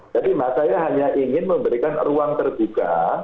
jadi mbak saya hanya ingin memberikan ruang terbuka